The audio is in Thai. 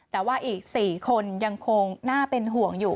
แต่ว่าอีก๔คนยังคงน่าเป็นห่วงอยู่